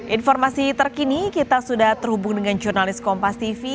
informasi terkini kita sudah terhubung dengan jurnalis kompas tv